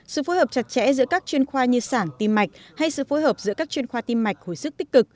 sự phối hợp chặt chẽ giữa các chuyên khoa như sản tim mạch hay sự phối hợp giữa các chuyên khoa tim mạch hồi sức tích cực